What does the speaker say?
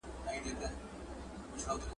جګړه ټولنیز جوړښتونه ویجاړوي.